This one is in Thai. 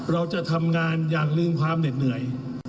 เราจะทำงานอย่างลืมความเหน็ดเหนื่อย